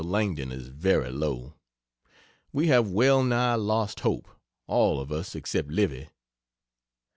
Langdon is very low. We have well nigh lost hope all of us except Livy.